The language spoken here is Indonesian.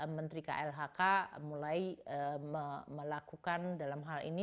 menteri klhk mulai melakukan dalam hal ini